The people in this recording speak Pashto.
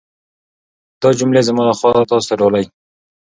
دا جملې زما لخوا تاسو ته ډالۍ.